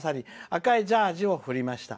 赤いジャージをふりました。